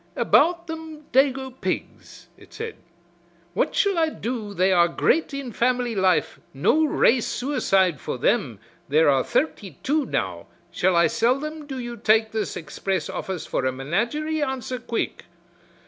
"About them dago pigs," it said, "what shall I do they are great in family life, no race suicide for them, there are thirty two now shall I sell them do you take this express office for a menagerie, answer quick."